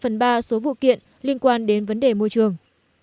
kiện trong đó có tới hai phần ba số vụ kiện liên quan đến vấn đề môi trường